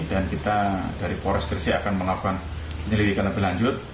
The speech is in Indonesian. dan kita dari polres gresik akan melakukan penyelidikan lebih lanjut